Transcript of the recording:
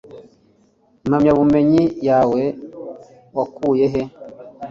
Impamyabumenyi yawe wakuye he?